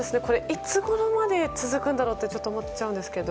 いつごろまで続くんだろうってちょっと思っちゃうんですけど。